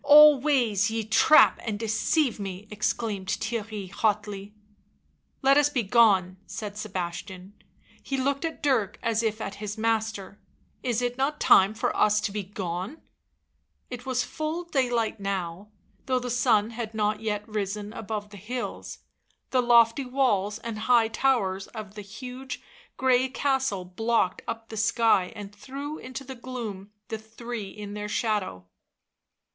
..."" All ways ye trap and deceive me," exclaimed Theirry hotly. " Let us begone," said Sebastian; he looked at Dirk as if at his master. " Is it not time for us to begone ?" It was full daylight now, though the sun had not yet risen above the hills; the lofty walls and high towers of the huge grey castle blocked up the sky and threw into the gloom the three in their shadow.